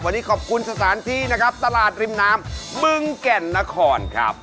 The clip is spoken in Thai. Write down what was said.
วันนี้ขอบคุณสถานที่นะครับตลาดริมน้ำบึงแก่นนครครับ